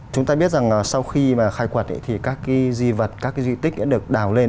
chúng ta biết rằng sau khi mà khai quật thì các cái di vật các cái di tích đã được đào lên